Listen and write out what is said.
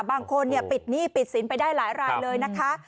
บางคนปิดหนี้ปิดสินไปได้หลายรายเลยนะคะ